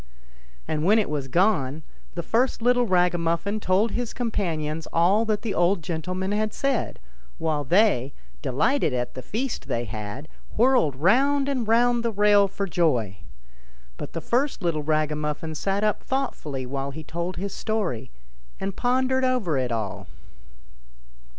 And when it was gone, the first little ragamuffin told his com panions all that the old gentleman had said ; while they, delighted at the feast they had, whirled round and round the rail for joy. But the first little raga muffin sat up thoughtfully while he told his story, and pondered over it all.